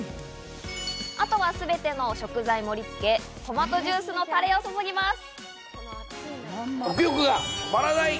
あとはすべての食材を盛り付け、トマトジュースのタレを注ぎます。